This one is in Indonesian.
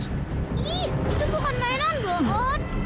ih itu bukan mainan bos